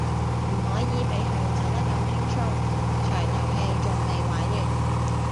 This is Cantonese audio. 唔可以畀佢走得咁輕鬆，場遊戲仲未玩完